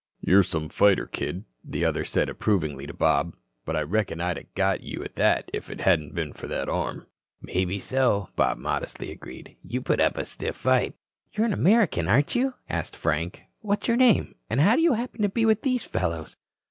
"You're some fighter, kid," the other said approvingly to Bob. "But I reckon I'da got you at that if it hadn't been for that arm." "Maybe so," Bob modestly agreed. "You put up a stiff fight." "You're an American, aren't you?" asked Frank. "What's your name? And how do you happen to be with these fellows?"